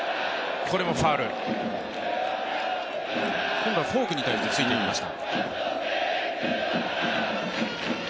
今度はフォークに対してついていきました。